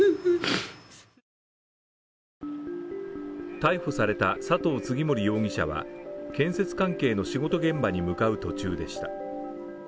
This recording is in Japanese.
逮捕された佐藤次守容疑者は建設関係の仕事現場に向かう途中でした。